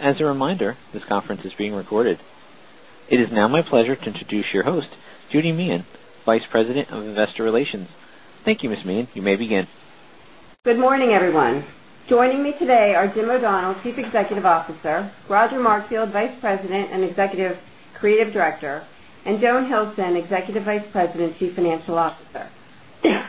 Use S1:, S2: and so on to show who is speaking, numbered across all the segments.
S1: As a reminder, this conference is being recorded. It is now my pleasure to introduce your host, Judy Meehan, Vice President of Investor Relations. Thank you, Ms. Meehan. You may begin.
S2: Good morning, everyone. Joining me today are Jim O'Donnell, Chief Executive Officer Roger Markfield, Vice President and Executive Creative Director and Joan Hilson, Executive Vice President and Chief Financial Officer. 10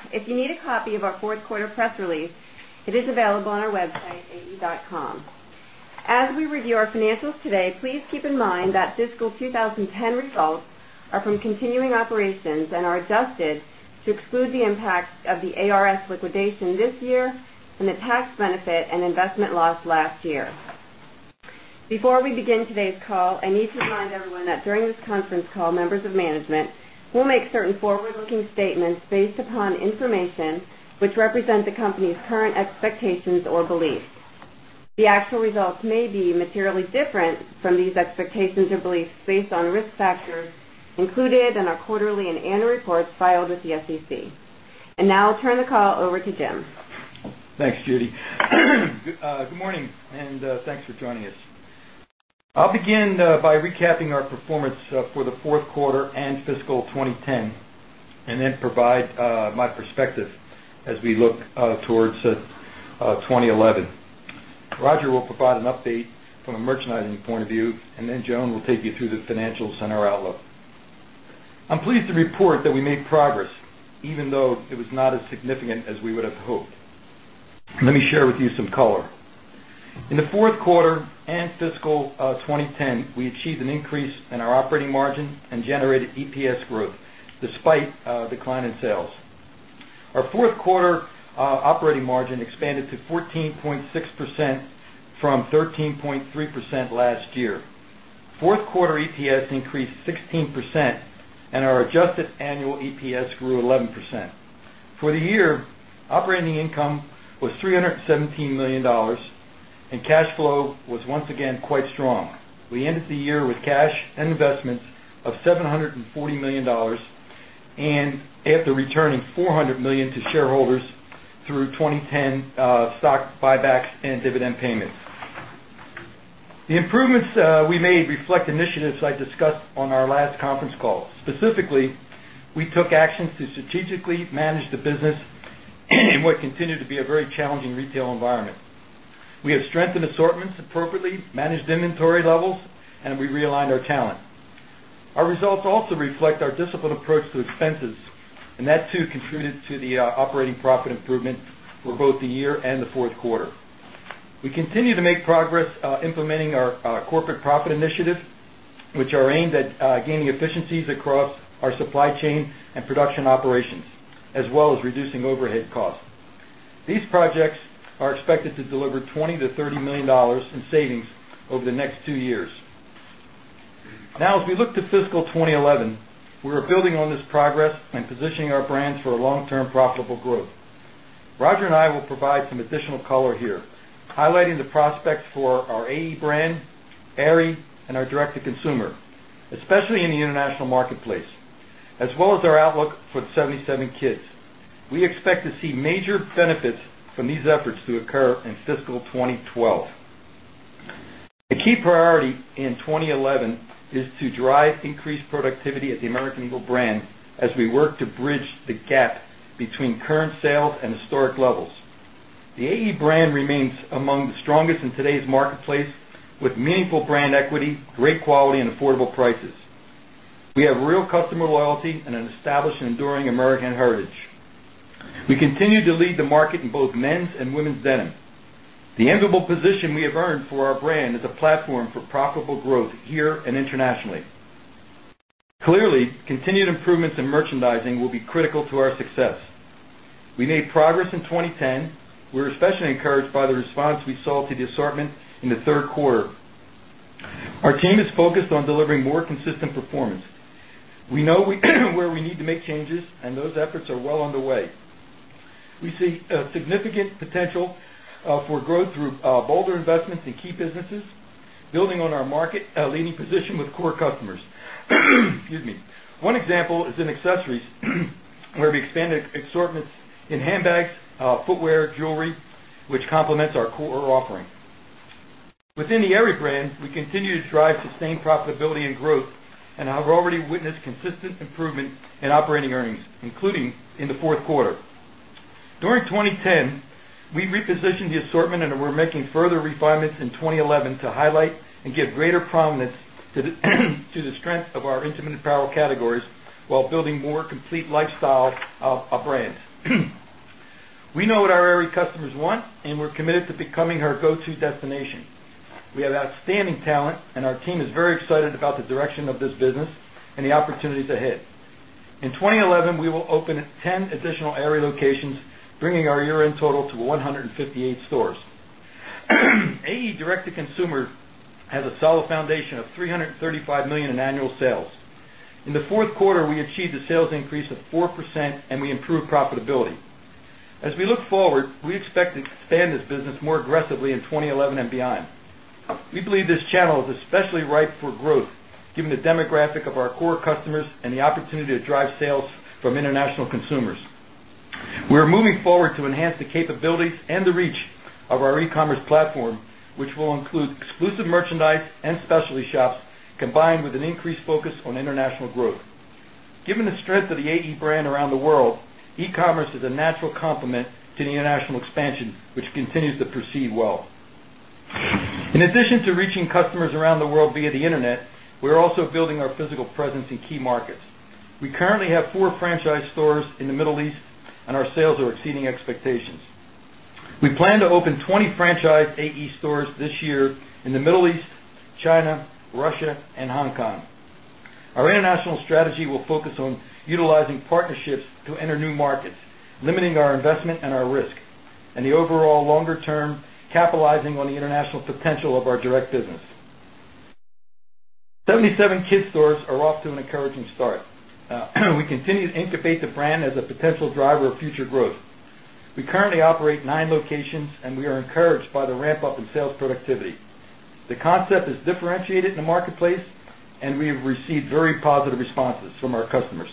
S2: results are from continuing operations and are adjusted to exclude the impact of the ARS liquidation this year and the tax benefit and investment loss last year. Before we begin today's call, I need to remind everyone that during this conference call, members of management will make certain forward looking statements based upon information, which represent the company's current expectations or beliefs. The actual results may be materially different from these expectations or based on risk factors included in our quarterly and annual reports filed with the SEC. And now I'll turn the call over to Jim.
S3: Thanks, Judy. Good morning and thanks for joining us. I'll begin by recapping our performance for the Q4 and fiscal 2010 and then provide my perspective as we look towards 2011. Roger will provide an update from a merchandising point of view and then Joan will take you through the financials and our outlook. I'm pleased to report that we made progress even though it was not as significant as we would have hoped. Let me share with you some color. In the Q4 fiscal 2010, we achieved an increase in our operating margin and generated EPS growth despite decline in sales. Our 4th quarter operating margin expanded to 14 0.6% from 13.3% last year. 4th quarter EPS increased 16% and our adjusted annual EPS grew 11%. For the year, operating income was 3.17 $1,000,000 and cash flow was once again quite strong. We ended the year with cash and investments of $740,000,000 and after returning $400,000,000 to shareholders through 20.10 stock buybacks and dividend payments. The improvements we made reflect initiatives I discussed on our last conference call. Specifically, we took actions to strategically manage the business in what continue to be a very challenging retail environment. We have strengthened assortments appropriately, managed inventory levels and we realigned our talent. Our results also reflect our disciplined approach to expenses and that too contributed to the operating profit improvement for both the year and the Q4. We continue to make progress implementing our corporate profit initiative, which are aimed at gaining efficiencies across our supply chain and production operations, as well as reducing overhead costs. These projects are expected to deliver $20,000,000 to $30,000,000 in savings over the next 2 years. Now as we look to fiscal 2011, we are building on this progress and positioning our brands for a long term profitable growth. Roger and I will provide some additional color here, highlighting the prospects for our AE brand, Aerie and our direct to consumer, especially in the international marketplace, as well as our outlook for 77 Kids. We expect to see major benefits from these efforts to occur in fiscal 2012. The key priority in 2011 is to drive increased productivity at the American Eagle brand as we work to bridge the gap between current sales and historic levels. The AE brand remains among the strongest in today's marketplace with meaningful brand equity, great quality and affordable prices. We have real customer loyalty and an established and enduring American heritage. We continue to lead the market in both men's and women's denim. The enviable position we have earned for our brand is a platform for profitable growth here and internationally. Clearly, continued improvements in merchandising will be critical to our success. We made progress in 2010. We're especially encouraged by the response we saw to the assortment in the Q3. Our team is focused on delivering Our team is focused on delivering more consistent performance. We know where we need to make changes and those efforts are well underway. We see significant potential for growth through bolder investments in key businesses, building on our market, a leading position with core customers. One example is in accessories where we expanded assortments in handbags, footwear, jewelry, which complements our core offering. Within the Aerie brand, we continue to drive the same profitability and growth and have already witnessed consistent improvement in operating earnings including in the Q4. During 2010, we repositioned the assortment and we're making further refinements in 2011 to highlight and give greater prominence to the strength of our intimate apparel categories while building more complete lifestyle of our brands. We know what our Aerie customers want and we're committed to becoming her go to destination. We have outstanding talent and our team is very excited about the direction of this business and the opportunities ahead. In 2011, we will open 10 additional Aerie locations bringing our year end total to 158 stores. AE direct to consumer has a solid foundation of $335,000,000 in annual sales. In the Q4, we achieved a sales increase of 4% and we improved profitability. As we look forward, we expect to expand this business more aggressively in 2011 and beyond. We believe this channel is especially right for growth given the demographic of our core customers and the opportunity to drive sales from international consumers. We are moving forward to enhance the capabilities and the reach of our e commerce platform, which will include exclusive merchandise and specialty shops combined with an increased focus on international growth. Given the strength of the AE brand around the world, e commerce is a natural complement to the international expansion, which continues to proceed well. In addition to reaching customers around the world via the Internet, we are also building our physical presence in key markets. We currently have 4 franchise stores in the Middle East and our sales are exceeding expectations. We plan to open 20 franchise AE stores this year in the Middle East, China, Russia and Hong Kong. Our international strategy will focus on utilizing partnerships to enter new markets, limiting our investment and our risk and the overall longer term capitalizing on the international potential of our direct business. 77 kids stores are off to an encouraging start. We continue incubate the brand as a potential driver of future growth. We currently operate 9 locations and we are encouraged by the ramp up in sales productivity. The concept is differentiated in the marketplace and we've received very positive responses from our customers.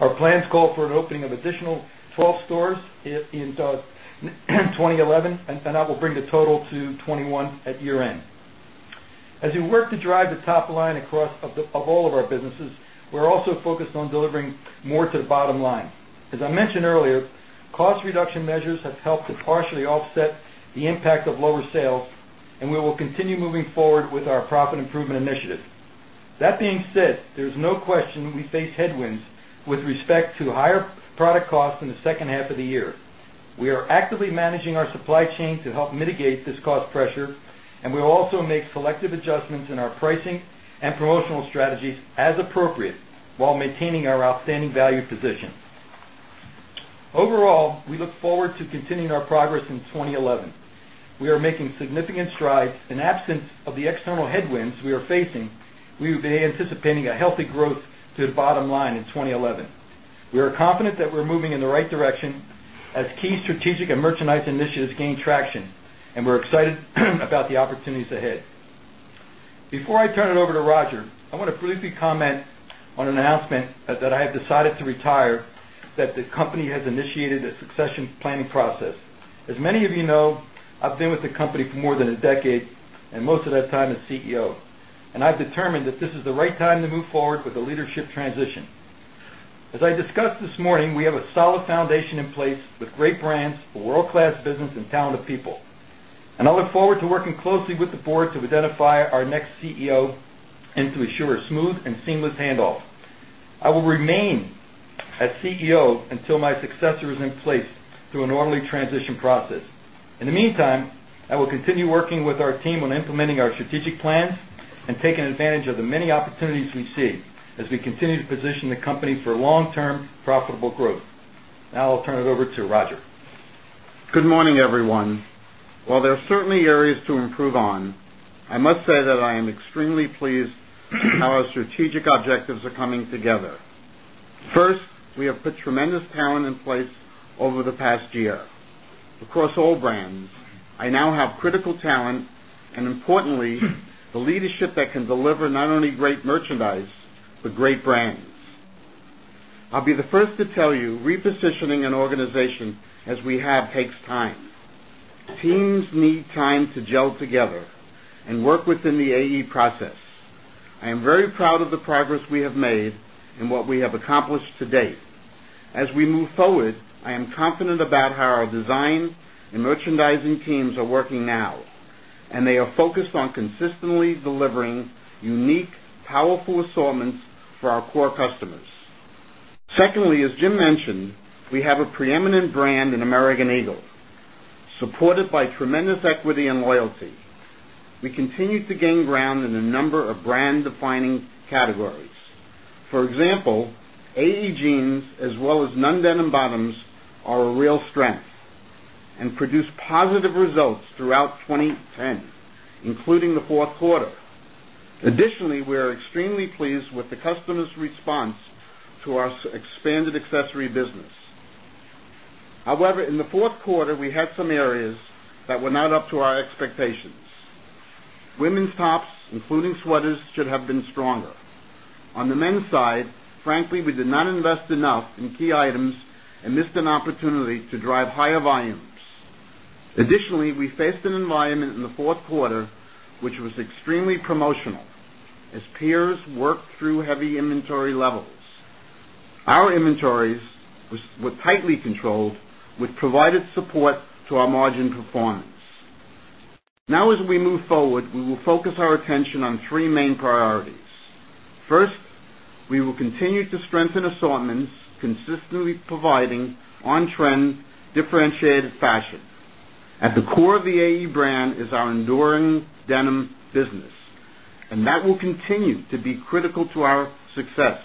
S3: Our plans call for an opening of additional 12 stores in 2011 and I will bring the total to 21 at year end. As we work to drive the top line across all of our businesses, we're also focused on delivering more to the bottom line. As I mentioned earlier, cost reduction measures have helped to partially offset the impact of lower sales and we will continue moving forward with our profit improvement initiative. That being said, there is no question we face headwinds with respect to higher product costs in the second half of the year. We are actively managing our supply chain to help mitigate this cost pressure and we will also make selective adjustments in our pricing and promotional strategies as appropriate while maintaining our outstanding value position. Overall, we look forward to continuing our progress in 2011. We are making significant strides in absence of the external headwinds we are facing, we will be anticipating a healthy growth to the bottom line in 2011. We are confident that we're moving in the right direction as key strategic and merchandise initiatives gain traction and we're excited about the opportunities ahead. Opportunities ahead. Before I turn it over to Roger, I want to briefly comment on an announcement that I have decided to retire that the company has initiated a succession planning process. As many of you know, I've been with the company for more than a decade and most of that time as CEO. And I've determined that this is the right time to move forward with the leadership transition. As I discussed this morning, we have a solid foundation in place with great brands, world class business and people. And I look forward to working closely with the Board to identify our next CEO and to assure a smooth and seamless handoff. I will remain as CEO until my successor is in place through a normally transition process. In the meantime, I will continue working with our team on implementing our strategic plans and taking advantage of the many opportunities we see as we continue to position the company for long term profitable growth. Now, I'll turn it over to Roger. Good morning, everyone. While there
S4: are certainly areas to improve on, I must say that I am extremely pleased how our strategic objectives are coming together. First, we have put tremendous talent in place over the past year. Across all brands, I now have critical talent and importantly, the leadership that can deliver not only great merchandise, but great brands. I'll the first to tell you repositioning an organization as we have takes time. Teams need time to gel together and work within the AE process. I am very proud of the progress we have made and what we have accomplished to date. As we move forward, I am confident about how our design and merchandising teams are working now and they are focused on consistently delivering unique powerful assortments for our core customers. Secondly, as Jim mentioned, we have a preeminent brand in American Eagle, supported by tremendous equity and loyalty. We continue to gain ground in a number of brand defining categories. For example, AE Jeans as well as non denim bottoms are a real strength and produced positive results throughout 2010, including the Q4. Additionally, we are extremely pleased with the customers' response to our expanded accessory business. However, in the Q4, we had some areas that were not up to our expectations. Women's tops, including sweaters, should have been stronger. On the men's side, frankly, we did not invest enough in key items and missed an opportunity to drive higher volumes. Additionally, we faced an environment in the 4th quarter, which was extremely promotional as peers worked through heavy inventory levels. Our inventories were tightly controlled with provided support to our margin performance. Now as we move forward, we will focus our attention on 3 main priorities. 1st, we will continue to strengthen assortments, consistently providing on trend differentiated fashion. At the core of the AE is our enduring denim business and that will continue to be critical to our success.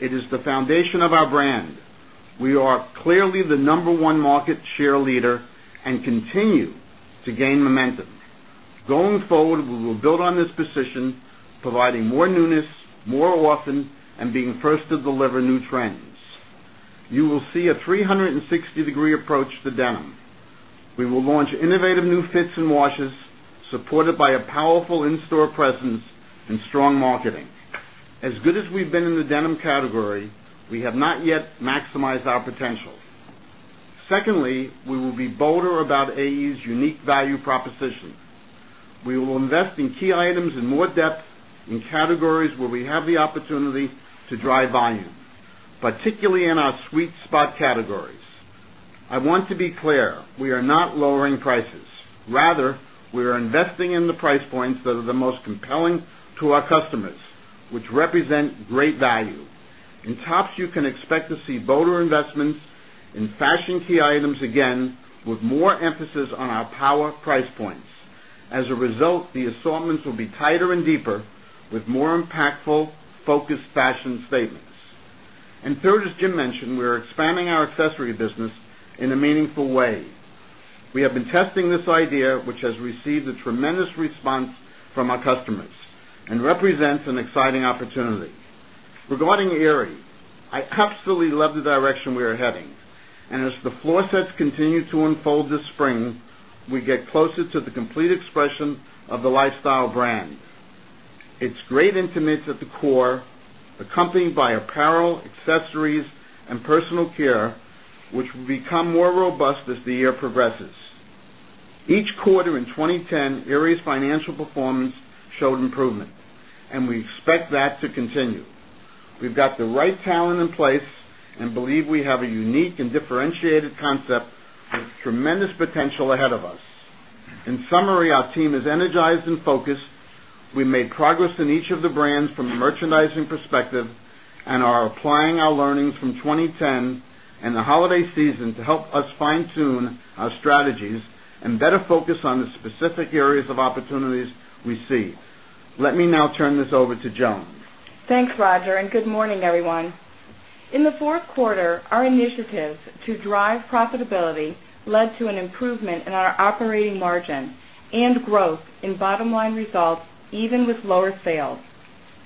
S4: It is the foundation of our brand. We are clearly the number one market share leader and continue to gain momentum. Going forward, we will build on this position, providing more newness, more often and being first to deliver new trends. You will see a 3 60 degree approach to denim. We will launch innovative new fits and washes supported by a powerful in store presence and strong marketing. As good as we've been in the denim category, we have not yet maximized our potential. Secondly, we will be bolder about AE's unique value proposition. We will invest in key items in more depth in categories where we have the opportunity to drive volume, particularly in our sweet spot categories. I want to be clear, we are not lowering prices. Rather, we are investing in the price points that are the most compelling to our customers, which represent great value. In tops, you can expect to see bolder investments in fashion key items again with more emphasis on our power price points. As a result, the assortments will be tighter and deeper with more impactful focused fashion statements. And 3rd, as Jim mentioned, we are expanding our accessory business in a meaningful way. We have been testing this idea, which has received a tremendous response from our customers represents an exciting opportunity. Regarding Erie, I absolutely love the direction we are heading. And as the floor sets continue to unfold this spring, we get closer to the complete expression of the lifestyle brand. It's great intimates at the core, accompanied by apparel, accessories and personal care, which will become more robust as the year progresses. Each quarter in 2010, Erie's financial performance showed improvement and we expect that to continue. We've got the right talent in place and believe we have a unique and differentiated concept with tremendous potential ahead of us. In summary, our team is energized and focused. We made progress in each of the brands from a merchandising perspective and are applying our learnings from 2010 and the holiday season to help us fine tune our strategies and better on the specific areas of opportunities we see. Let me now turn this over to Joan.
S5: Thanks, Roger, and good morning, everyone. In the Q4, our initiatives to drive profitability led to an improvement in our operating margin and growth in bottom line results even with lower sales.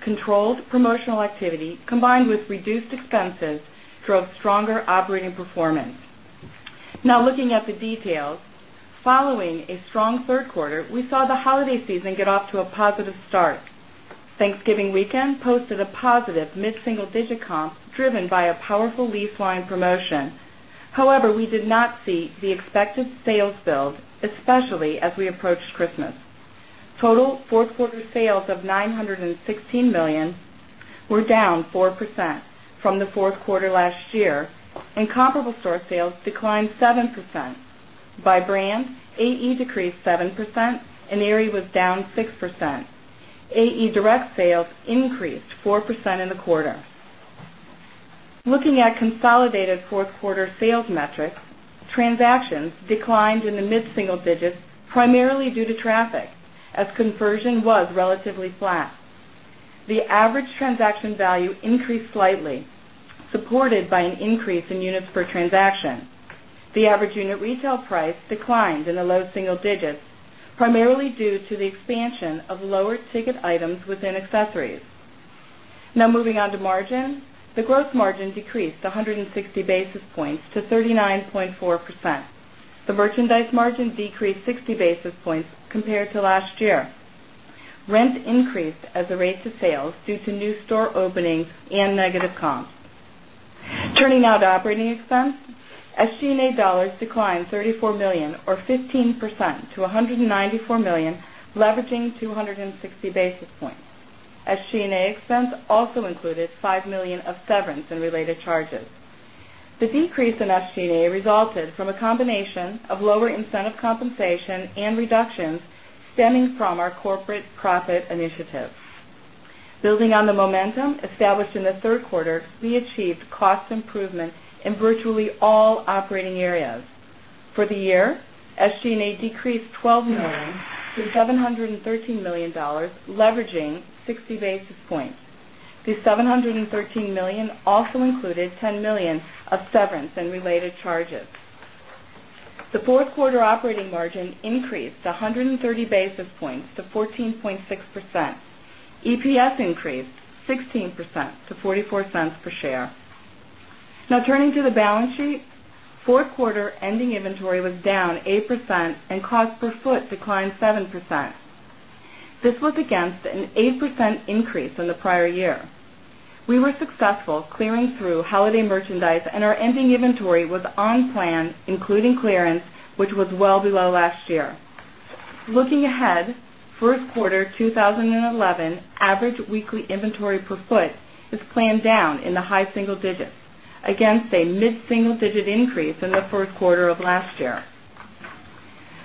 S5: Controlled promotional activity combined with reduced expenses drove stronger operating performance. Now looking at the details. Following a strong Q3, we saw the holiday season get off to a positive start. Thanksgiving weekend posted a positive mid single digit comp driven by a powerful lease line promotion. However, we did not see the expected sales build, especially as we approached Christmas. Total 4th quarter sales of $916,000,000 were down 4% from the 4th quarter last year and comparable store sales declined 7%. By brand, AE decreased 7% and Aerie was down 6%. AE direct sales increased 4% in the quarter. Looking at consolidated 4th quarter sales metrics, transactions declined in the mid single digits primarily due to traffic as conversion was relatively flat. The average transaction value increased slightly supported by an increase in units per transaction. The average unit retail price declined in the low single digits, primarily due to the expansion of lower ticket items within accessories. Now moving on to margin, the gross margin decreased 160 basis points to Now moving on to margin. The gross margin decreased 160 basis points to 39.4%. The merchandise margin decreased 60 basis points compared to last year. Rent increased as the rate to sales due to new store openings and negative comps. Turning now to operating expense. SG and A dollars declined $34,000,000 or 15 percent to $194,000,000 leveraging 260 basis points. SG and A expense also included $5,000,000 of severance and related charges. The decrease in SG and A resulted from a combination of lower incentive compensation and reductions stemming from our corporate profit initiatives. Building on the momentum established in the 3rd quarter, we achieved cost improvement in virtually all operating areas. For the year, SG and A decreased $12,000,000 to $713,000,000 leveraging 60 basis points. The 7 $13,000,000 also included $10,000,000 of severance and related charges. The 4th quarter operating margin increased 130 basis points to 14.6%. EPS increased 16% to 0.4 $4 per share. Now turning to the balance sheet, 4th quarter ending inventory was down 8% and cost per foot declined 7%. This was against an 8% increase in the prior year. We were successful clearing through holiday merchandise and our ending inventory was on plan including clearance which was well below last year. Looking ahead, Q1 2011 average weekly inventory per foot is planned down in the high single digits against a mid single digit increase in the Q1 of last year.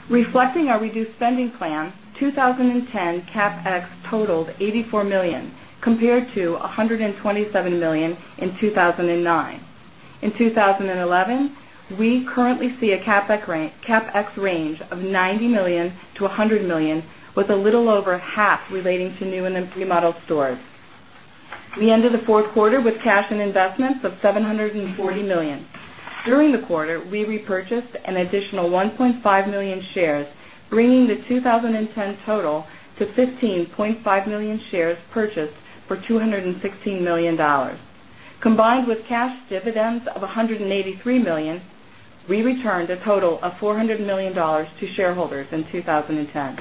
S5: Reflecting our reduced spending plan, 2010 CapEx totaled $84,000,000 compared to $127,000,000 in 2,009. In 2011, we currently see a CapEx range of $90,000,000 to $100,000,000 with a little over half relating to new and remodeled stores. We ended the 4th quarter with cash and investments of $740,000,000 During the quarter, we repurchased an additional 1,500,000 shares bringing the 2010 total to 15,500,000 shares purchased for 216 $1,000,000 Combined with cash dividends of $183,000,000 we returned a total of $400,000,000 to shareholders in 2010.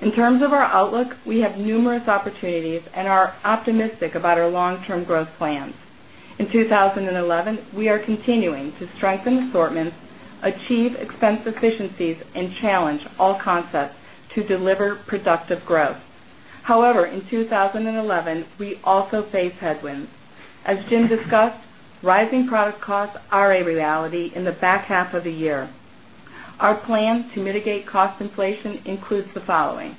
S5: In terms of our outlook, we have numerous opportunities and are optimistic about our long term growth plans. In plans. In 2011, we are continuing to strengthen assortments, achieve expense efficiencies and challenge all concepts to deliver productive growth. However, in 2011, we also faced headwinds. As Jim discussed, rising product costs are a reality in the back half of the year. Our plan to mitigate cost inflation includes the following: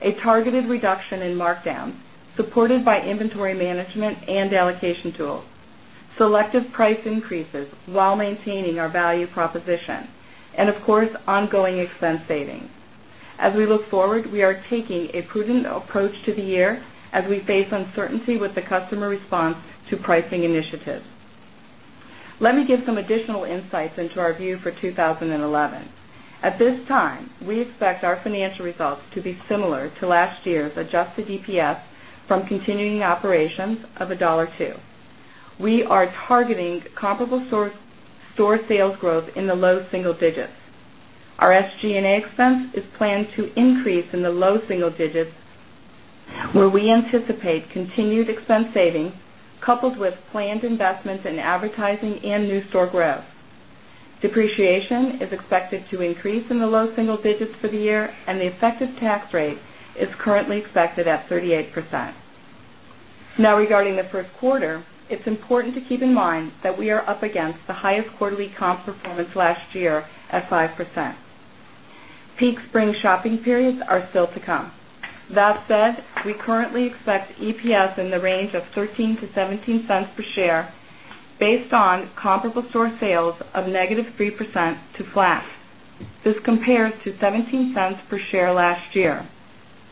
S5: a targeted reduction in markdowns supported by inventory management and allocation tools, selective price increases while maintaining our value proposition, and of course ongoing expense savings. As we look forward, we are taking a prudent approach to the year as we face uncertainty with the customer response to pricing initiatives. Let me give some additional insights into our view for 2011. At this time, we expect our financial results to be similar to last year's adjusted EPS from continuing operations of $1.02 We are targeting comparable store sales growth in the low single digits. Our SG and A expense is planned to increase in the low single digits where we anticipate continued expense savings coupled with planned investments in advertising and new store growth. Depreciation is expected to increase in the low single digits for the year and the effective tax rate is currently expected at 38%. Now regarding the Q1, it's important to keep in mind that we are up against the highest quarterly comp performance last year at 5%. Peak spring shopping periods are still to come. That said, we currently expect EPS in the range of $0.13 to $0.17 per share based on comparable store sales of negative 3% to flat. This compares to $0.17 per share last year.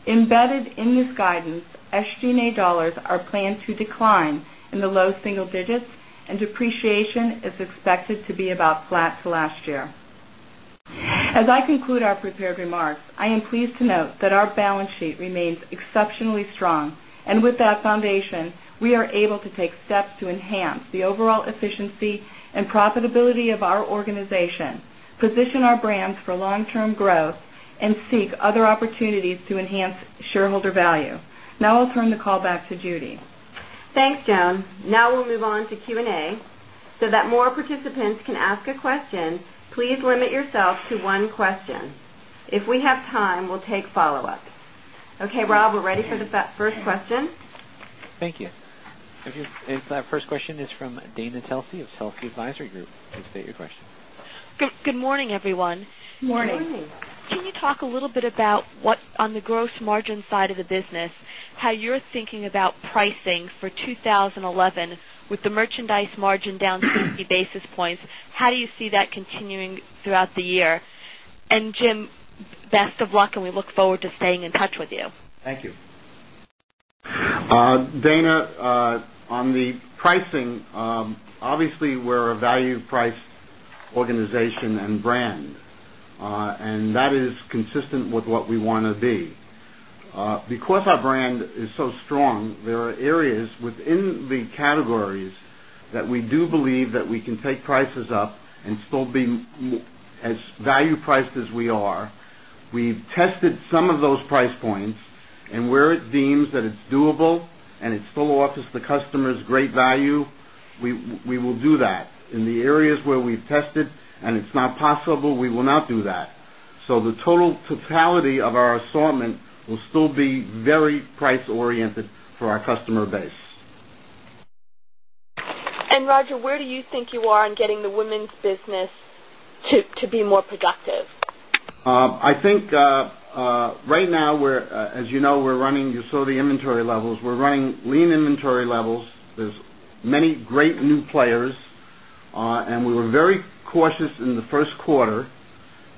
S5: Embedded in this guidance, SG and A dollars are planned to decline in the low single digits and depreciation is expected to be about flat to last year. As I conclude our prepared remarks, I am pleased to note that our balance sheet remains exceptionally strong. And with that foundation, we are able to take steps to enhance the overall efficiency and profitability of our organization, position our brands for long term growth and seek other opportunities to enhance shareholder value. Now I'll turn the
S2: call back to Judy. Thanks, Joan. Now we'll move on to Q and A. So that more participants can ask a question, please limit yourself to one question. If we have time, we'll take follow-up. Okay, Rob, we're ready for the first question.
S1: Thank you. And our first question is from Dana Telsey of Telsey Advisory Group. Please state your question.
S6: Good morning, everyone.
S5: Good morning.
S6: Can you talk a little bit about what on the gross margin side of the business, how you're thinking about pricing for 2011 with the merchandise margin down 60 basis points? How do you see that continuing throughout the year? And Jim, best of luck and we look forward to staying in touch with you.
S1: Thank you.
S4: Dana, on the pricing, obviously, we're a value priced organization and brand. And that is consistent with what we want to be. Because our brand is so strong, there are areas within the categories that we do believe that we can take prices up and still be as value priced as we are. We've tested some of those price points and where it deems that it's doable and it still offers the customers great value, we will do that. In the areas where we've tested and it's not possible, we will not do that. Totality of our assortment will still be very price oriented for our customer base.
S6: And Roger, where do you think you are in getting the women's business to be more productive?
S4: I think right now, we're as you know, we're running you saw the inventory levels. We're running lean inventory levels. There's many great new players and we were very cautious in the Q1.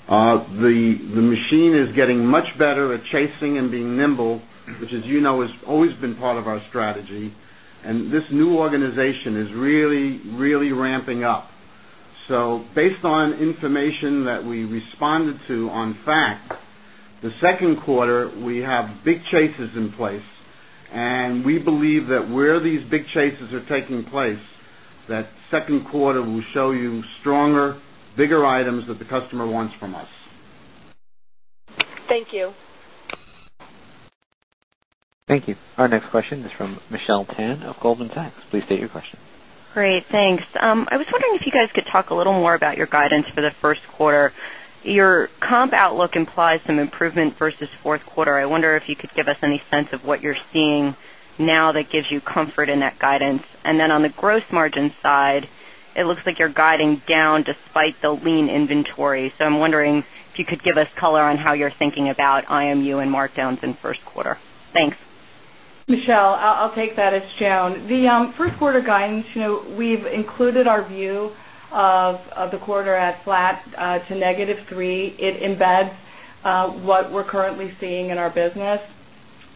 S4: The machine is getting much better at chasing and being nimble, which has always been part of our strategy. And this new organization is really, really ramping up. So based on information that we responded to on fact, the Q2, we have big chases in place. And we believe that where these big chases are taking place that second quarter will show you stronger, bigger items that the customer wants from us.
S6: Thank you.
S1: Thank you. Our next question is from Michelle Tan of Goldman Sachs. Please state your question.
S7: Great. Thanks. I was wondering if you guys could talk a little more about your guidance for the Q1. Your comp outlook implies some improvement versus Q4. I wonder if you could give us any sense of what you're seeing now that gives you comfort in that guidance? And then on the gross margin side, it looks like you're guiding down despite the lean inventory. So I'm wondering if you could give us color on how you're thinking about IMU and markdowns in Q1? Thanks.
S5: Michelle, I'll take that. It's Joan. The Q1 guidance, we've included our view of the quarter as flat to negative 3. It embeds what we're currently seeing in our business.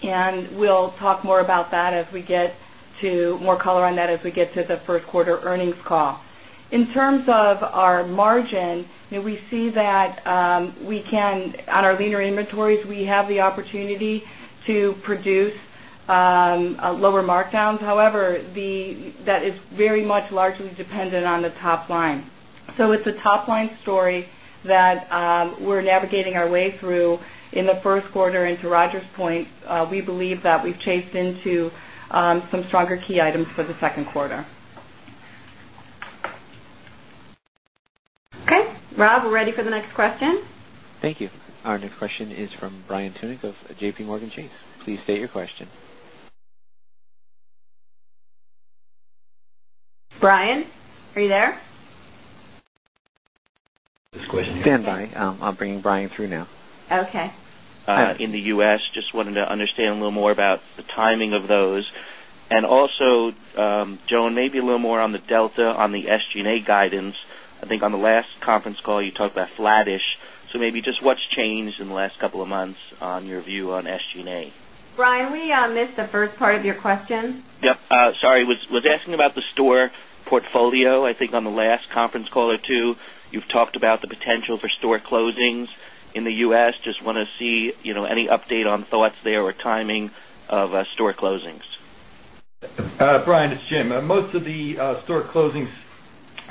S5: And we'll talk more about that as we get to more color on that as we get to the Q1 earnings call. In terms of our margin, we see that we can on our leaner inventories, we have the opportunity to produce lower markdowns. However, that is very much largely dependent on the top line. So it's a top line story that we're navigating our way through in the Q1 and to Roger's point, we believe that we've chased into some stronger key items for the Q2.
S2: Okay. Rob, we're ready for the next question.
S1: Thank you. Our next question is from Brian Tunic of JPMorgan Chase. Please state your question.
S2: Brian, are you there?
S1: Stand by. I'm bringing Brian through now.
S8: Okay.
S9: In the U. S, just wanted to understand a little more about the timing of those. And also, Joan, maybe a little more on the delta on the SG and A guidance. I think on the last conference call, you talked about flattish. So maybe just what's changed in the last couple of months on your view on SG and A?
S2: Brian, we missed the first part of your question.
S9: Yes. Sorry, I was asking about the store portfolio. I think on the last conference call or 2, you've talked about the potential for store closings in the U. S. Just want to see any update on thoughts there or timing of store closings?
S3: Brian, it's Jim. Most of the store closings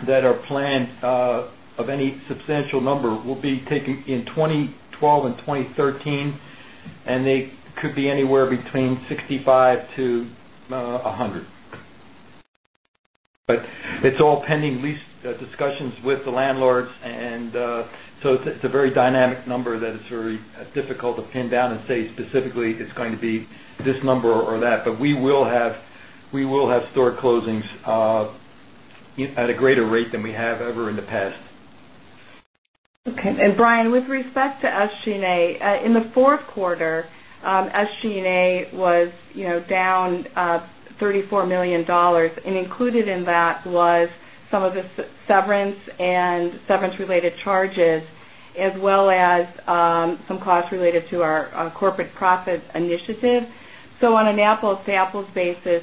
S3: that are planned of any substantial number will be taken in 20122013 and they could be anywhere between 65 to 100. But it's all pending lease discussions with the landlords and so it's a very dynamic number that is very difficult to pin down and say specifically it's going to be this number or that. But we will have store closings at a greater rate than we have ever in
S10: the past.
S5: Okay. And Brian with respect to SG and A, in the Q4 SG and A was down $34,000,000 and included in that was some of the severance and severance related charges as well as some costs related to our corporate profit initiative. So on an apples to apples basis,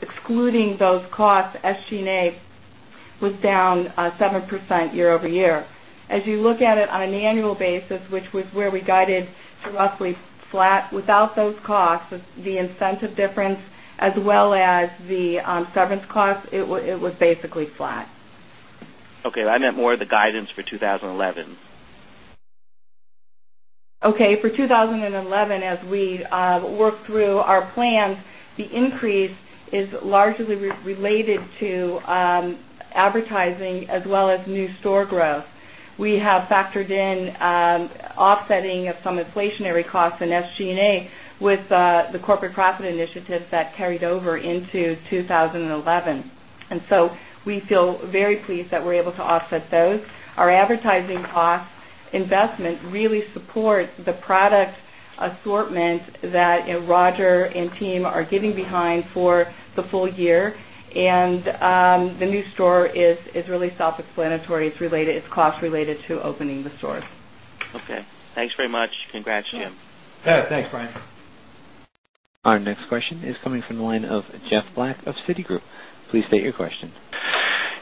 S5: excluding those costs, SG and A was down 7% year over year. As you look at it on an annual basis, which was where we guided to roughly flat without those costs, the incentive difference as well as the severance costs, it was basically flat.
S9: Okay. I meant more of the guidance for 20
S5: 2011 as we work through our plans, the increase is largely related to advertising as well as new store growth. We have factored in offsetting some inflationary costs in SG and A with the corporate profit initiatives that carried over into 2011. And so we feel very pleased that we're able to offset those. Our advertising costs investment really supports the product assortment that Roger and team are getting behind for the full year. And the new store is really self explanatory. It's related it's cost related to opening the stores.
S9: Okay. Thanks very much. Congrats, Jim.
S3: Thanks, Brian.
S1: Our next question is coming from the line of Jeff Black of Citigroup. Please state your question.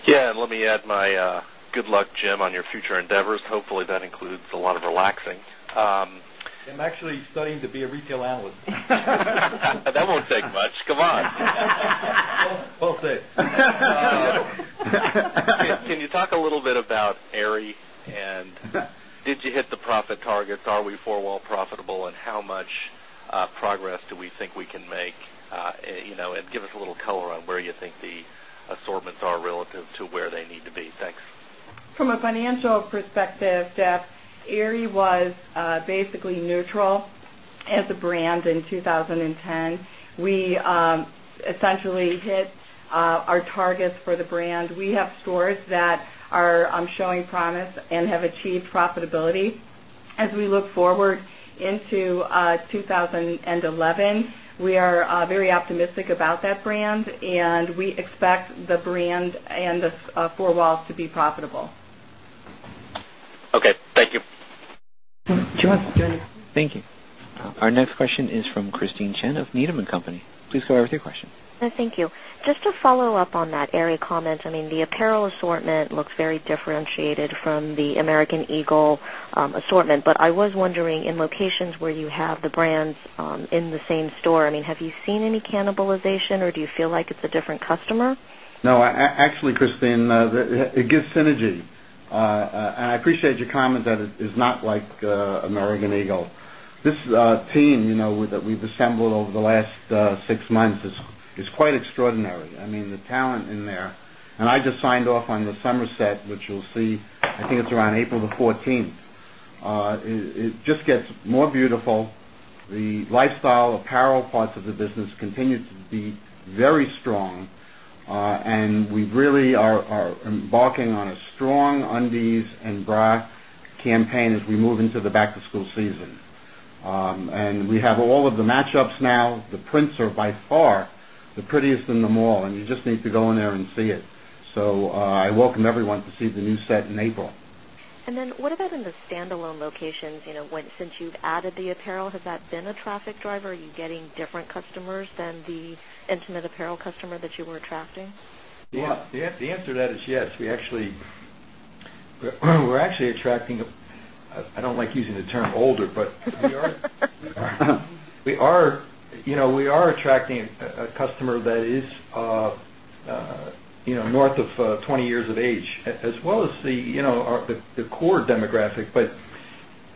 S11: Yes. Let me add my good luck, Jim, on your future endeavors. Hopefully that includes a lot of relaxing.
S3: I'm actually studying to be a retail analyst.
S11: That won't take much. Come on.
S3: Can you talk
S11: a little bit about Aerie? And did you hit the profit targets? Are we 4 well profitable? And how much progress do we think we can make? And give us a little color on where you think the assortments are relative to where they need to Thanks.
S5: From a financial perspective, Jeff, Aerie was basically neutral as a brand in 2010. We essentially hit our targets for the brand. We stores that are showing promise and have achieved profitability. As we look forward into 2011, we are very optimistic about that brand and we expect the brand and the 4 walls to be profitable.
S11: Okay. Thank you. Thank
S1: you. Our next question is from Christine Chen of Needham and Company. Please go ahead with your question.
S12: Thank you. Just to follow-up on that Aerie comment, I mean the apparel assortment looks very differentiated from the American Eagle assortment, but I was wondering in locations where you have the brands in the same store, I
S6: mean have you seen any cannibalization or do you feel like it's a
S12: different customer? No, actually, you
S4: know, that we've assembled over the last 6 months is quite that we've assembled over the last 6 months is quite extraordinary. I mean, the talent in there and I just signed off on the Somerset, which you'll see, I think it's around April 14th. It just gets more beautiful. The lifestyle apparel parts of the business continue to be very strong. And we really are embarking on a strong undies and bra campaign as we move into the back to school season. And we have all of the matchups now. The prints are by far the prettiest in them all and you just need to go in there and see it. So I welcome everyone to see the new set in April.
S12: And then what about in the standalone locations? Since you've added the apparel, has that been a traffic driver? Are you getting different customers than the intimate apparel customer that you were attracting?
S3: Yes. The answer to that is yes. We're actually attracting, I don't like using the term older, but we are attracting a customer that is north of 20 years of age as well as the core demographic. But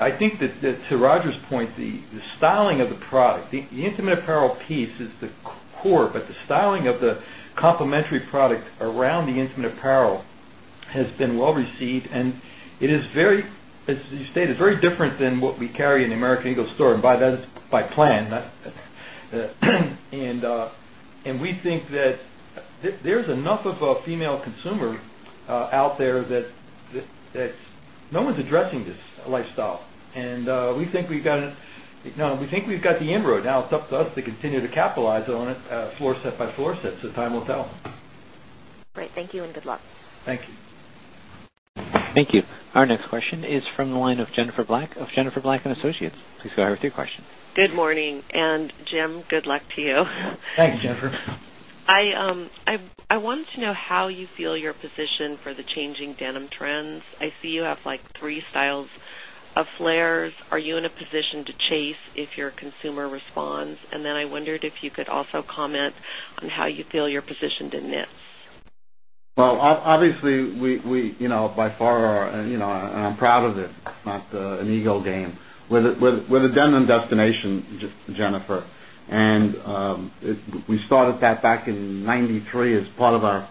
S3: I think that to Roger's point the styling of the product, the intimate apparel piece is the core, but the styling of the complementary product around the intimate apparel has been well received and it is very as you stated, very different than what we carry in the American Eagle store and by that is by plan. And we think that there's enough of a female consumer out there that no one's addressing this lifestyle. And we think we've got the embryo now. It's up to us to continue to capitalize on it floor set by floor set, so time will tell.
S12: Great. Thank you and good luck.
S1: Thank you. Thank you. Our next question is from the line of Jennifer Black of Jennifer Black and Associates. Please go ahead with your question.
S8: Good morning. And Jim, good luck to you.
S1: Thanks, Jennifer.
S8: I wanted to know how you feel your position for the changing denim trends. I see you have like 3 styles of flares. Are you in a position to chase if your consumer responds? And then I wondered if you could also comment on how you feel you're positioned in knits?
S4: Well, obviously, we by far and I'm proud of it, not an Eagle game. We're the Denim destination, Jennifer. And we started that back in 'ninety 3 as part of our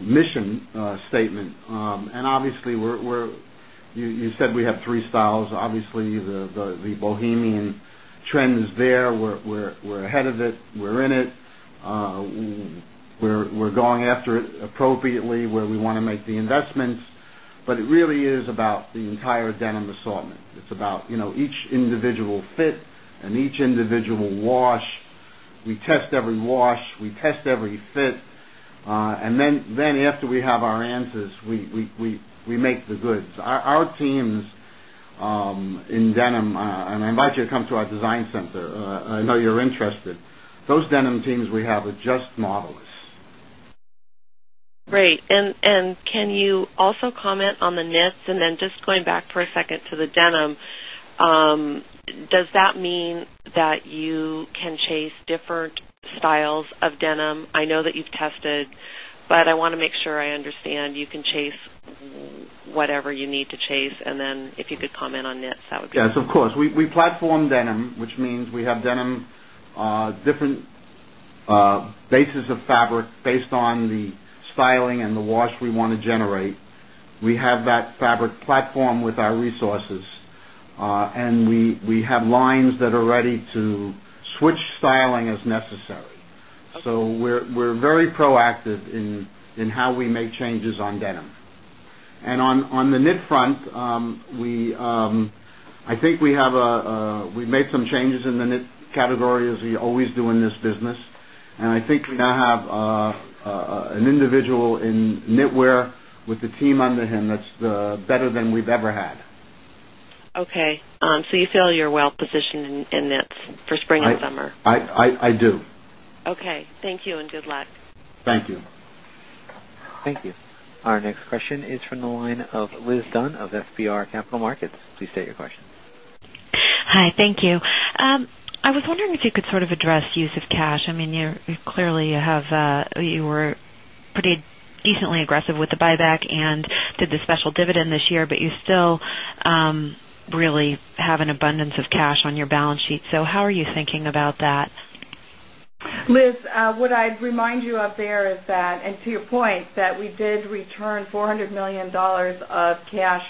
S4: mission statement. And obviously, we're you said we have 3 styles. Obviously, the Bohemian trend is there. We're ahead of it. We're in it. We're going after it appropriately where we want to make the investments. But it really is about the entire denim assortment. It's about each individual fit and each individual wash. Every fit. And then after we have our answers, we make the goods. Our teams in denim, and I invite you to come to our design center. I know you're interested. Those denim teams we have are just modelers.
S8: Great. And can you also comment on the knits? And then just going back for a second to the denim, does that mean that you can chase different styles of denim? I know that you've tested, but I want to make sure I understand you can chase whatever you need to chase. And then if you could comment on knits, that would be great.
S4: Yes, of course. We platform denim, which means we have denim, different basis of fabric based on the styling and the wash we want to generate. We have that fabric platform with our resources. And we have lines that are ready to switch styling as necessary. So we're very proactive in how we make changes on denim. And on the knit front, we I think we have a we've made some changes in the knit category as we always do in this business. And I think we now have an individual in knitwear with the team under him that's better than we've ever had.
S8: Okay. So you feel you're well positioned in knits for spring and summer?
S4: I do.
S8: Okay. Thank you and good luck.
S1: Thank you. Thank you. Our next question is from the line of Liz Dunn of FBR Capital Markets. Please state your question.
S13: Hi, thank you. I was wondering if you could sort of address use of cash. I mean, clearly, you have you were pretty decently aggressive with the buyback and did a special dividend this year, but you still really have an abundance of cash on your balance sheet. So how are you thinking about that?
S5: Liz, what I'd remind you of there is that and to your point that we did return $400,000,000 of cash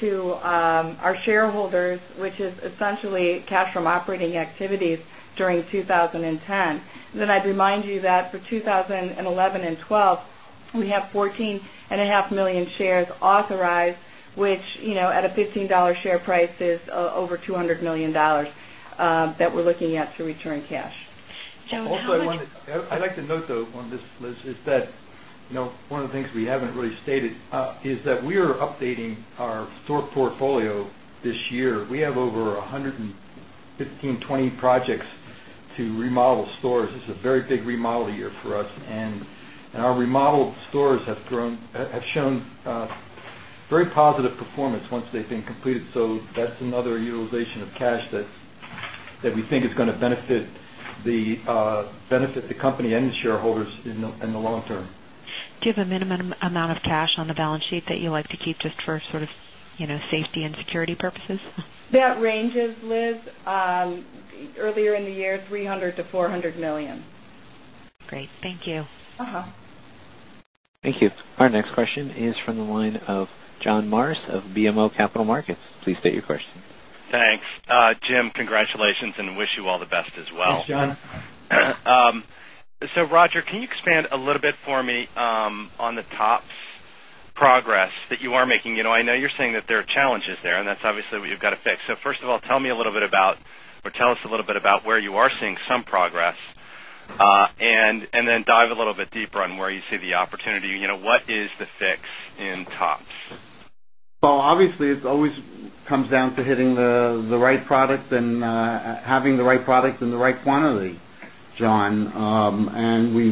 S5: to our shareholders, which is essentially cash from operating activities during 2010. Then I'd remind you that for 2011 and 'twelve, we have 14,500,000 shares authorized, which at a $15 share price is over $200,000,000 that we're looking at to return cash. Also
S3: I'd like to note though on this Liz is that one of the things we haven't really stated is that we are updating our store portfolio this year.
S4: We have over 115,
S3: 20 projects to remodel stores. This is a very big remodel year for us. And our remodeled stores have shown very positive performance once they've been completed. So that's another utilization of cash that we think is going to benefit the company and the shareholders in the long term.
S13: Do you have a minimum amount of cash on the balance sheet that you like to keep just for sort of safety and security purposes?
S5: That ranges Liz earlier in the year $300,000,000 to $400,000,000
S13: Great. Thank you.
S1: Thank you. Our next question is from the line of John Morris of BMO Capital Markets. Please state your question.
S11: Thanks. Jim, congratulations and wish you all the
S14: best as well.
S11: Thanks, John. So Roger, can you expand a little bit for me on the top progress that you are making? I know you're saying that there are challenges there and that's obviously what you've got to fix. So first of all, tell me a little about or tell us a little bit about where you are seeing some progress and then dive a little bit deeper on where you see the opportunity. What is the fix in tops?
S4: Well, obviously, it always comes down to hitting the right product and having the right product in the right quantity, John. And we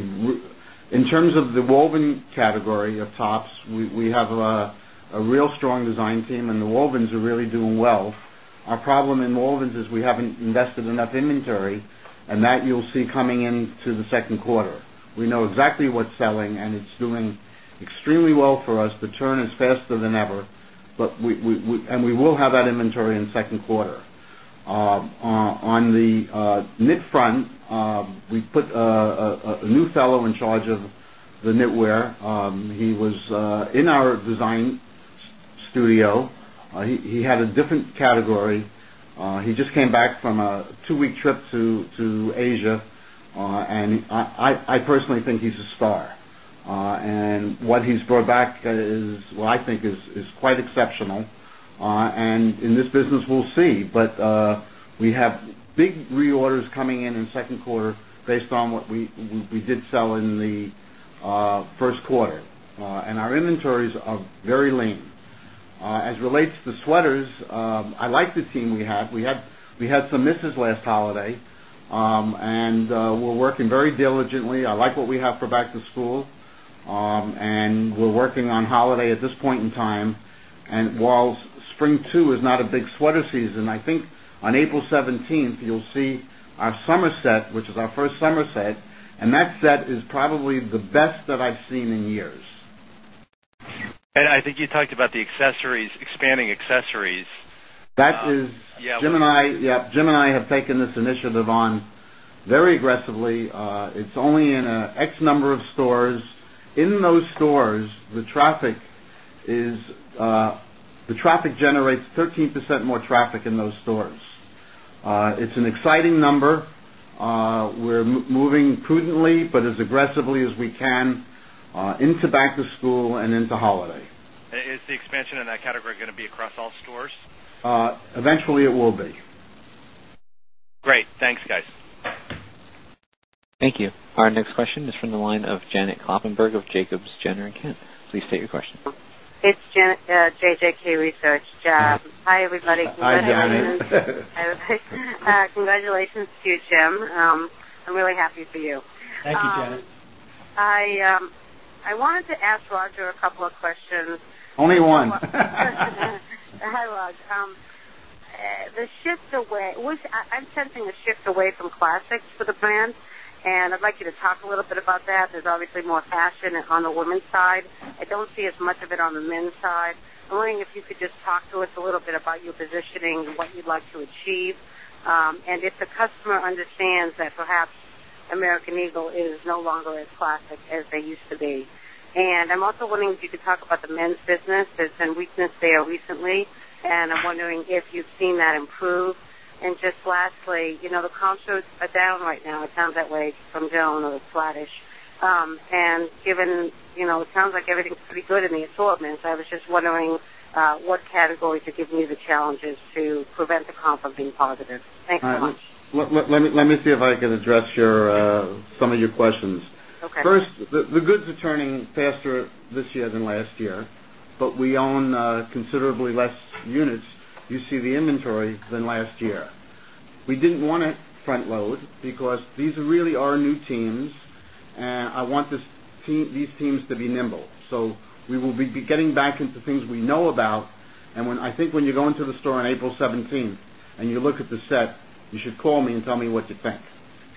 S4: in terms of the woven category of tops, we have a real strong design team and the wovens are really doing well. Our problem in wovens is we haven't invested enough inventory and that you'll see coming into the Q2. We know exactly what's selling and it's doing extremely well for us. The churn is faster than ever, but we and we will have that inventory in Q2. On the knit front, we put a new fellow in charge of the knitwear. He was in our design studio. He had a different category. He just came back from a 2 week trip to Asia. And I personally think he's a star. And what he's brought back is what I think is quite exceptional. And in this business, we'll see. But we have big reorders coming in, in the second quarter based on what we did sell in the Q1. And our inventories are very lean. As it relates to sweaters, I like the team we have. We had some misses last holiday. And we're working very diligently. I like what we have for back to school. And we're working on holiday at this point in time. And while spring 2 is not a big sweater season, I think on April 17th, you'll see our summer set, which is our 1st summer set. And that set is probably the best that I've seen in years.
S11: And I think you talked about the accessories, expanding accessories.
S4: That is Jim and I have taken this initiative on very aggressively. It's only in X number of stores. In those stores, the traffic is the traffic generates 13% more traffic in those stores. It's an exciting number. We're moving prudently, but Thank you. Our next question
S11: is from the
S4: line of Janet
S11: Kloppenburg of
S1: Jacobs. Thank you. Our next question is from the line of Janet Kloppenburg of Jacobs, Gener and Kent. Please state your question.
S15: It's JJK Research. Hi everybody. Congratulations to you, Jim. I'm really happy for you.
S3: Thank you, Janice.
S15: I wanted to ask Roger a couple of questions.
S4: Only one. Hi,
S15: Rod. The shift away I'm sensing a shift away from classics for the brand and I'd like you to talk a little bit about that. There's obviously more fashion on the women's side. I don't see as much of it on the men's side. I'm wondering if you could just talk to us a little bit about your positioning and what you'd like to achieve? And if the customer understands that perhaps American Eagle is no longer as classic as they used to be? And I'm also wondering if you could talk about the men's business.
S14: There's been weakness there recently. And I'm
S15: wondering if you've seen that improve. Categories are giving you the challenges to prevent the comp from being positive? Thanks so
S4: much. Let me see if I can address your some of your questions.
S15: Okay.
S4: First, the goods are turning faster this year than last year,
S14: but we own considerably less units.
S4: You see the inventory than last year. We we will be getting back into things we know about. And when I think when you go into the store on April 17 and you look at the set, you should call me and tell me what you think.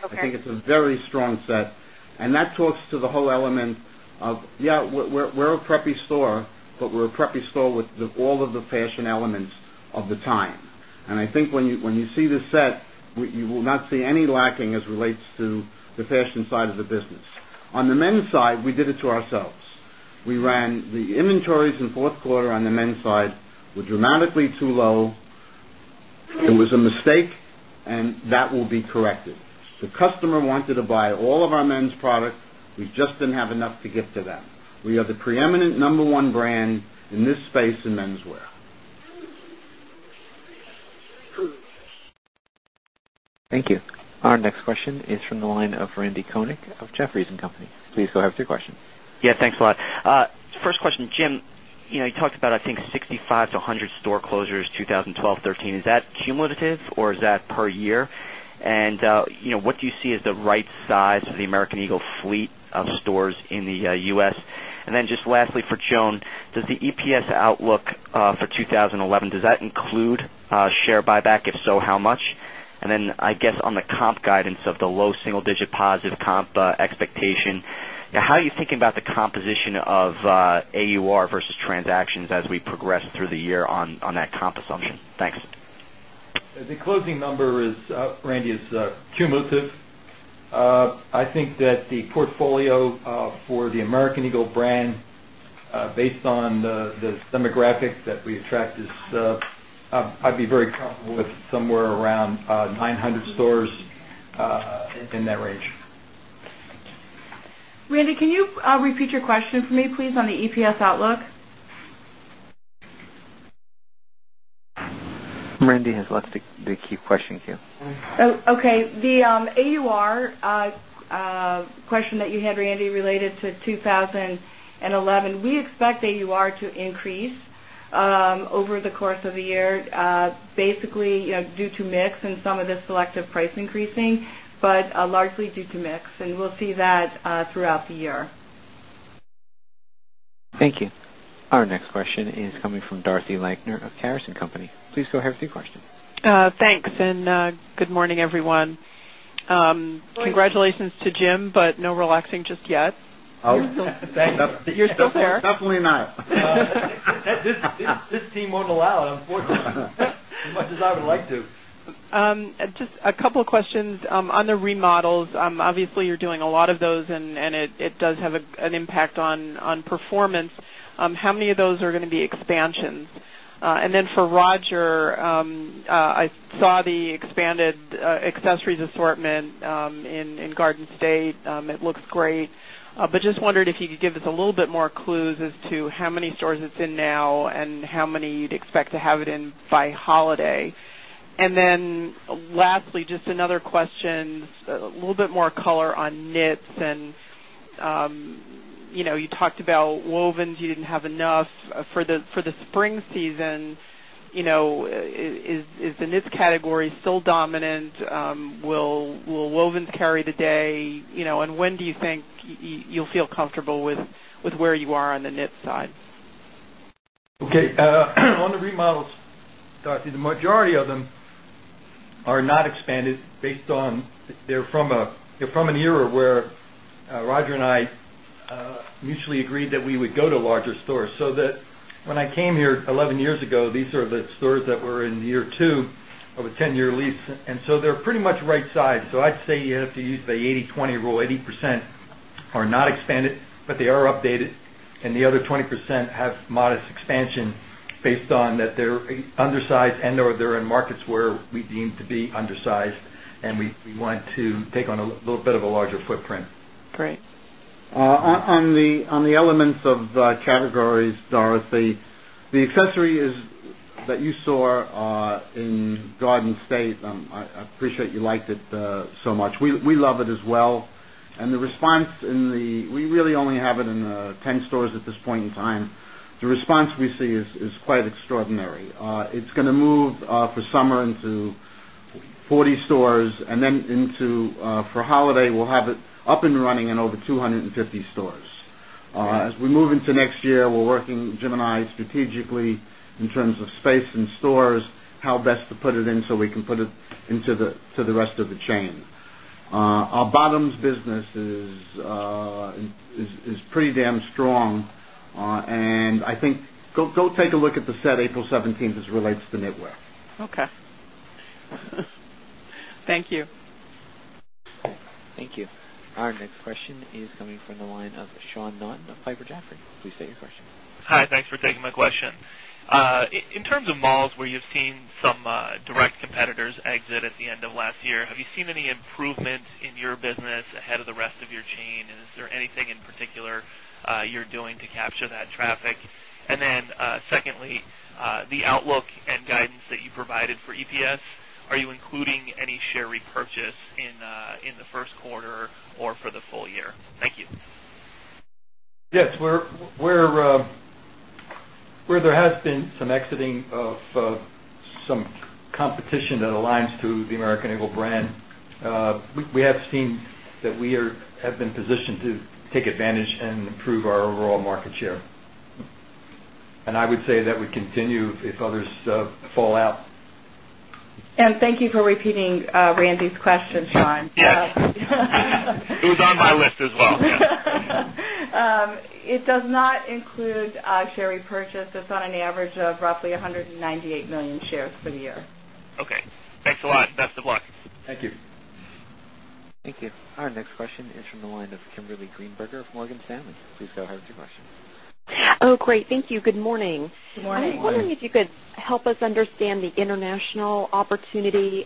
S14: Okay.
S4: I think it's a very strong set. And that talks to the whole element of, yes, we're a preppy store, but we're a preppy store with all of the fashion elements of the time. And I think when you see this set, you will not see any lacking as it relates to the fashion side of the business. On the men's side, we did it to ourselves. We ran the products. We just didn't have enough to get to them. We had to pre of our men's product. We just didn't have enough to give to them. We are the preeminent number one brand in this space in menswear.
S1: Our next question is from the line of Randy Konik of Jefferies and Company.
S9: Please go
S1: ahead with your question.
S9: First question, Jim, you talked about I think 65 to 100 store closures 2012, 2013. Is that cumulative or is that per year? And
S4: what do
S9: you see as the right size for the American Eagle fleet of stores in the U. S? And then just lastly for Joan, does the EPS outlook for 2011, does that include share buyback? If so, how much? And then I guess on the comp guidance of the low single digit positive comp expectation, how are you thinking about the composition of AUR versus transactions as we progress through the year on that comp assumption? Thanks.
S3: The closing number is, Randy, is cumulative. I think that the portfolio for the American Eagle brand based on the demographics that we attract is I'd be very comfortable with somewhere around 900 stores in that range.
S5: Randy, can you repeat your question for me please on the EPS outlook?
S1: Randy has lots to keep question queue.
S5: Okay. The AUR question that you had Randy related to 20 11, we expect AUR to increase over the course of the year basically due to mix and some of the selective price increasing, but largely due to mix and we'll see that throughout
S1: the year. Thank you. Our next question is coming from Darcy Leichner of Harris and Company. Please go ahead with your question.
S5: Thanks and good morning everyone. Congratulations to Jim, but no relaxing just yet. You're still there. Definitely not.
S3: This team won't allow it unfortunately as much as I
S5: would like to. Just a couple of questions on the remodels. Obviously, you're doing a lot of those and it does have an impact on performance. How many of those are going to be expansions? And then for Roger, I saw the expanded accessories assortment in Garden State. It looks great. But just wondered if you could give us a little bit more clues as to how many stores it's in now and how many you'd expect to have it in by holiday? And then lastly, just another question, a little bit more color on knits. And you talked about wovens, you didn't have enough for the spring season. Is the knits category still dominant? Will wovens carry the day? And when do you think you'll feel comfortable with where you are on the knit side?
S3: Okay. On the remodels, Darcy, the majority of them are not expanded based on they're from an era where Roger and I mutually agreed that we would go to larger stores. So that when I came here 11 years ago, these are the stores that were in year 2 of a 10 year lease. And so they're pretty much right sized. So I'd say you have to use the eighty-twenty rule, 80% are not expanded, but they are updated and the other 20% have modest expansion based on that they're undersized and or they're in markets where we deem to be undersized and we want to take on a little bit of a larger footprint.
S9: Great.
S4: On the elements of categories, Dorothy, the
S9: accessories that
S4: you saw in Garden State, point in time. The response we see is quite extraordinary. It's going to move for summer into 40 stores and then into for holiday, we'll have it up and running in over 2 50 stores. As we move into next year, we're working Gemini strategically in terms of space and stores, how best to put it in so we can put it into the rest of the chain. Our bottoms business is pretty damn strong. And I think go take a look at the set April 17 as it relates to knitwear.
S15: Okay.
S5: Thank you.
S1: Thank you. Our next question is coming from the line of Sean Nunn of Piper Jaffray. Please state your question.
S16: Hi. Thanks for taking my question. In terms of malls where you've seen some direct competitors exit at the end of last year, have you seen any improvement in your business ahead of the rest of your chain? And is there anything in particular you're doing to capture that traffic? And then secondly, the outlook and guidance that you provided for EPS, are you including any share repurchase in the Q1 or for the full year? Thank you.
S3: Yes. Where there has been some exiting of some competition that aligns to the American Eagle brand, we have seen continue if others fall out.
S5: And thank you for repeating Randy's question, Sean. Yes.
S14: It was
S16: on my list as well.
S5: It does not include share repurchase. It's on an average of roughly 198,000,000 shares for the year.
S16: Okay. Thanks a lot. Best of luck.
S3: Thank you.
S1: Thank you. Our next question is from the line of Kimberly Greenberger of Morgan Stanley. Please go ahead with your question.
S6: Great. Thank you. Good morning.
S1: Good morning.
S6: I'm wondering if you could help us understand the international opportunity.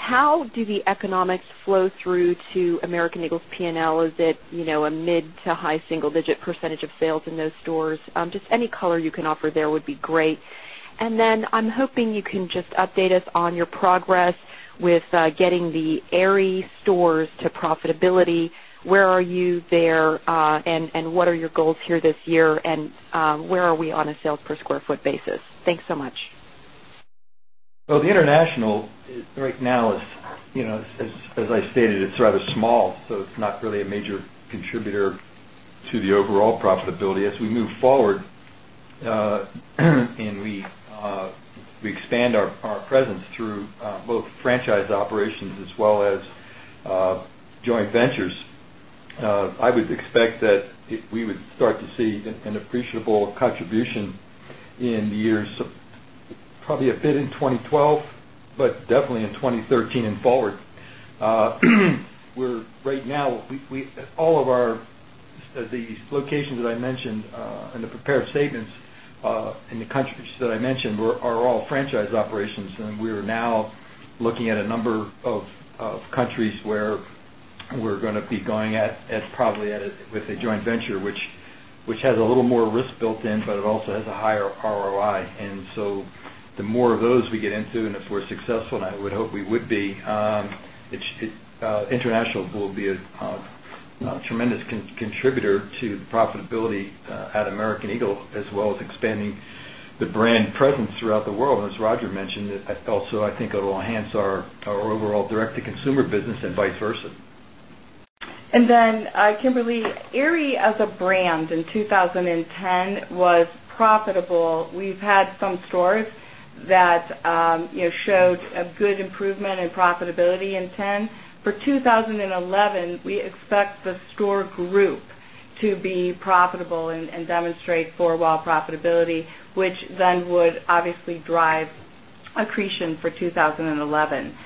S6: How do the economics flow through to American Eagle's P and L? Is it a mid to high single digit percentage of sales in those stores? Just any color you can offer there would be great. And then I'm hoping you can just update us on your progress with getting the Aerie stores to profitability. Where are you there? And what are your goals here this year? And where are we on a sales per square foot basis? Thanks so much.
S3: Well, the international right now is, as I stated, it's rather small. So it's not really a major contributor to the overall profitability. As we move forward and we expand our presence through both franchise operations as well as joint ventures, I would expect that if we would start to see an appreciable contribution in the year probably a bit in 2012, but definitely in 2013 and forward. We're right now we all of our these locations that I mentioned in the prepared statements
S14: and the countries that
S3: I mentioned are all countries that I mentioned are all franchise operations. And we are now looking at a number of countries where we're going to be going at probably with a joint venture, which has a little more risk built in, but it also has a higher ROI. And so the more of those we get into and if we're successful and I would hope we would be, international will be a tremendous contributor to profitability at American Eagle as well as expanding the brand presence throughout the world. And as Roger mentioned, also I think it will enhance our overall direct to consumer business and vice versa.
S5: And then Kimberly, Aerie as a brand in 2010 was profitable. We've had some stores that showed a good improvement in profitability in 10. For 2011, we expect the store group group to be profitable and demonstrate 4 wall profitability, which then would obviously drive accretion for 2011.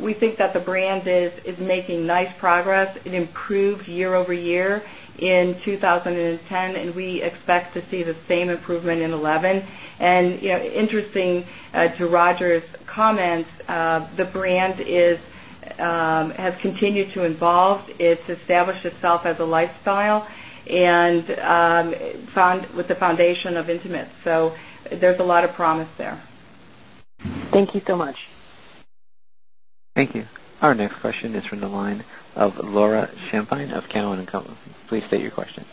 S5: We think that the brand is making nice progress and improved year over year in 2010 and we expect to see the same improvement in 2011. And interesting to Roger's comments, the brand is has continued to evolve. It's established itself as a lifestyle and found with the foundation of intimates. So there's a lot of promise there.
S6: Thank you so much.
S1: Thank you. Our next question is from the line of Laura Champine of Cowen and Company. Please state your question.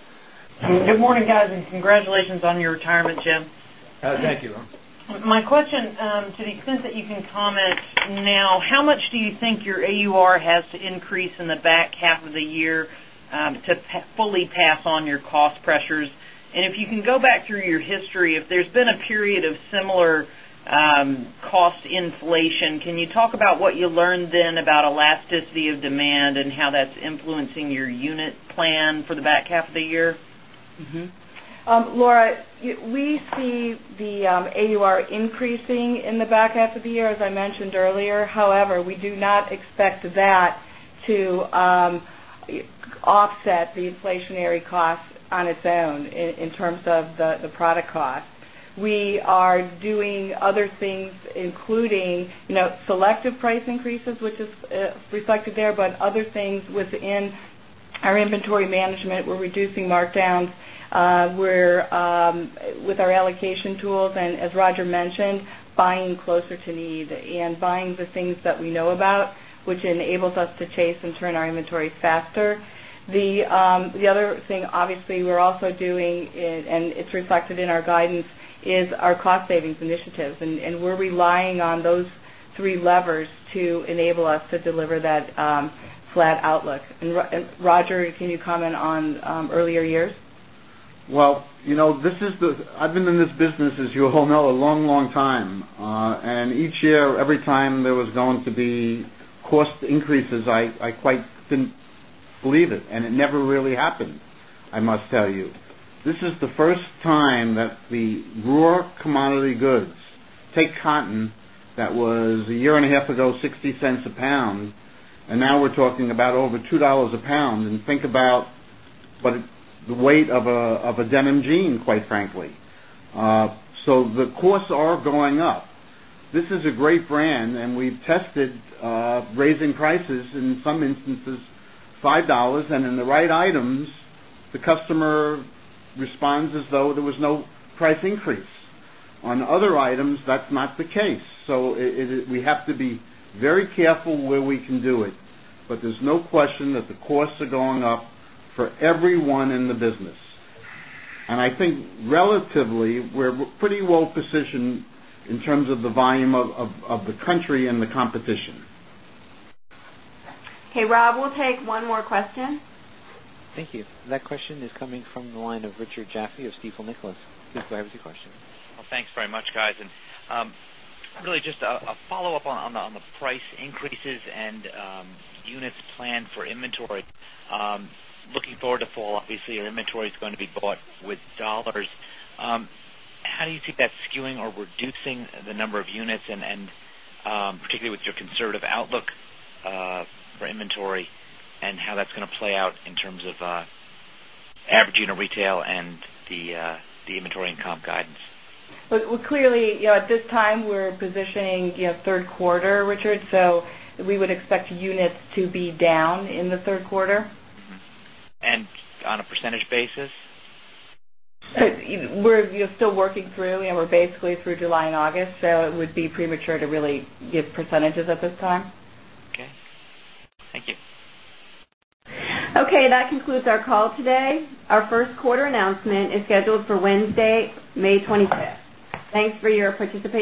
S17: Good morning, guys and congratulations on your retirement, Jim.
S3: Thank you, Laura.
S17: My question, to the extent that you can comment now, how much do you think your AUR has to increase in the back half of the year to fully pass on your cost pressures? And if you can go back through your history, if there's been a period of similar cost inflation, can you talk about what you learned then about elasticity of demand and how that's influencing your unit plan for the back half of the year?
S5: Laura, we see the AUR increasing in the back half of the year as I mentioned earlier. However, we do not expect that to offset the inflationary costs on its own in terms of the product costs. We are doing other things including selective price increases, which is reflected there, but other things within our inventory management, we're reducing markdowns, we're with our allocation tools. And as Roger mentioned, buying closer to need and buying the things that we know about, which enables us to chase and turn our inventory faster. The other thing, obviously, we're also doing and it's reflected in our guidance is our cost savings initiatives. And we're relying on those three levers to enable us to deliver that flat outlook. And Roger, can you comment on earlier years?
S4: Well, this is the I've been in this business as you all know a long, long time. And each year, every time there was going to be cost increases, I quite didn't believe it and it never really happened, I must tell you. This is the first time that the raw commodity goods, take
S3: raw commodity goods, take cotton that was a year
S4: and a half ago, dollars 0.60 a pound and now we're talking about over $2 a pound and think about the weight of a denim jean quite frankly. So the costs are going up. This is a great brand and we've tested raising prices in some instances $5 and in the right items, the customer responds as though there was no price increase. On other items, that's not the case. So we have
S3: to be very careful where we can
S4: do it, but there's no question that the costs are going up for everyone in the business. And I think relatively, we're pretty well positioned in terms of the volume of the country and the competition.
S2: Okay, Rob. We'll take one more question.
S1: Thank you. That question is coming from the line of Richard Jaffe of Stifel Nicolaus. Please go ahead with your question.
S10: Thanks very much guys. And really just a follow-up on the price increases and units planned for inventory. Looking forward to fall obviously your inventory is
S14: going to be bought with dollars.
S10: How do you think inventory is going to be bought with dollars. How do you think that skewing or reducing the number of units and particularly with your conservative outlook for inventory and how that's going to play out in terms of average unit retail and the inventory and comp guidance?
S5: Clearly, at this time, we're positioning Q3, Richard. So we would expect units to be down in the 3rd quarter.
S10: And on a percentage basis?
S5: We're still working through and we're basically through July August. So it would be premature to really give percentages at this time.
S2: Okay. Thank you. Okay. That concludes our call today. Our first quarter announcement is scheduled for Wednesday, May 25. Thanks for your participation.